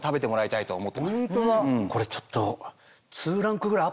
これちょっと。